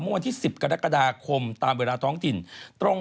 เมื่อวันที่๑๐กรกฎาคมตามเวลาท้องติ่น